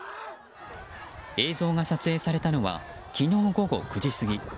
映像が撮影されたのは昨日午後９時過ぎ。